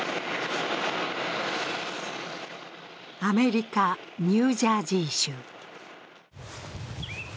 アメリカ・ニュージャージー州。